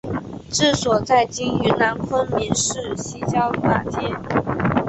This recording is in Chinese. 治所在今云南昆明市西郊马街。